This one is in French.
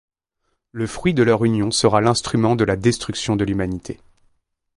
Le fruit de leur union sera l'instrument de la destruction de l'humanité.